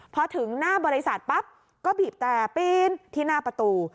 พอถึงหน้าบริษัทปั๊บก็บีบแต่ปีนที่หน้าประตู